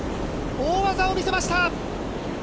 大技を見せました。